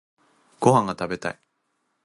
ご飯が食べたい。